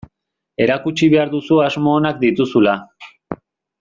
Erakutsi behar duzu asmo onak dituzula.